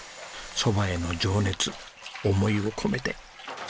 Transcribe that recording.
蕎麦への情熱思いを込めて。